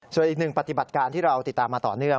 ส่วนอีกหนึ่งปฏิบัติการที่เราติดตามมาต่อเนื่อง